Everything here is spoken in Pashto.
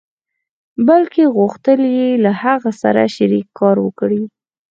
بلکې غوښتل يې له هغه سره شريک کار وکړي.